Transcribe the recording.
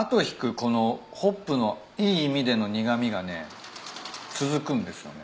このホップのいい意味での苦味がね続くんですよね。